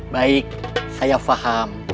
baik saya faham